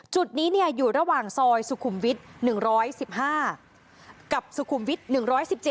จุดนี้อยู่ระหว่างซอยสุขุมวิทย์๑๑๕กับสุขุมวิทย์๑๑๗